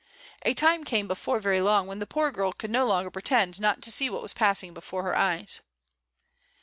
A time came before very long 'when the poor girl could no longer pretend not to see what was passing before her eyes.